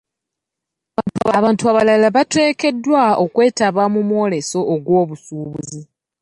Abantu abalala bateekeddwa okwetaba mu myoleso gy'obusuubuzi.